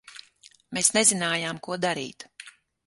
Mēs nezinājām, ko darīt.